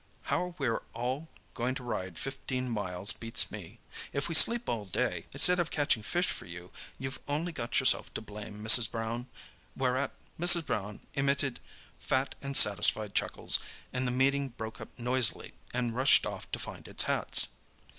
"How we're all going to ride fifteen miles beats me. If we sleep all day, instead of catching fish for you, you've only got yourself to blame, Mrs. Brown." Whereat Mrs. Brown emitted fat and satisfied chuckles, and the meeting broke up noisily, and rushed off to find its hats.